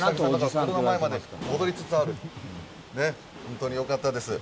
コロナ前に戻りつつある本当によかったです。